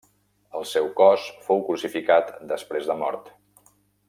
El seu cos fou crucificat després de mort.